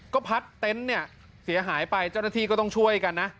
ก็พัดเต็นต์เนี่ยเสียหายไปเจ้าหน้าที่ก็ต้องช่วยกันนะ